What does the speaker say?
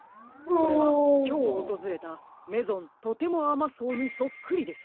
これはきょうおとずれた「メゾントテモアマそう」にそっくりです。